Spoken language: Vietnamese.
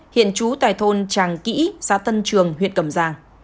hiện trú tại thôn tràng kỹ xã tân trường huyện cầm giang